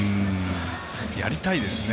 やりたいですね。